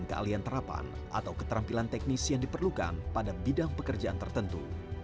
tidak ada alian terapan atau keterampilan teknis yang diperlukan pada bidang pekerjaan tertentu